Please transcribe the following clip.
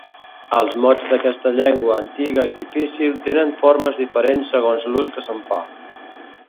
Els mots d'aquesta llengua, antiga i difícil, tenen formes diferents segons l'ús que se'n fa.